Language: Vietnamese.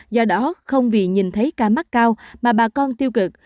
do đó không vì nhìn thấy ca mắc cao mà bà con tiêu cực